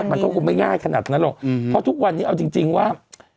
มันก็คงไม่ง่ายขนาดนั้นหรอกเพราะทุกวันนี้เอาจริงว่า